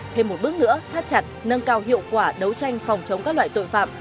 thêm một bước nữa thắt chặt nâng cao hiệu quả đấu tranh phòng chống các loại tội phạm